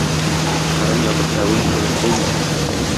Кырын ятып әвен сугып булмый.